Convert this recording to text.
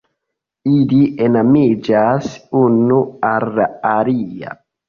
Ili enamiĝas unu al la alia.